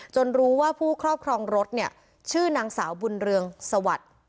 รู้ว่าผู้ครอบครองรถเนี่ยชื่อนางสาวบุญเรืองสวัสดิ์